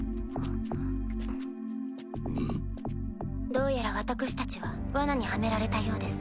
どうやら私たちは罠にはめられたようです。